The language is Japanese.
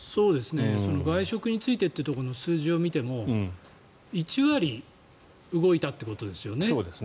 外食についてというところの数字を見ても１割動いたということですよね。